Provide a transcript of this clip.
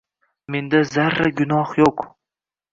Menda zarra gunoh yo’q.